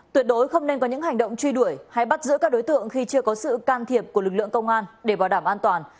tuyệt đối không nên có những hành động truy đuổi hay bắt giữ các đối tượng khi chưa có sự can thiệp của lực lượng công an để bảo đảm an toàn